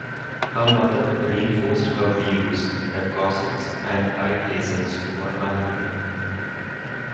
Her mother reinforced her views that corsets and tight lacings were unhealthy.